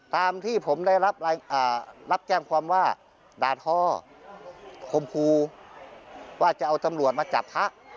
ตามที่ผมได้รับแจ้งความว่าด่าทอคมครูว่าจะเอาตำรวจมาจับพระ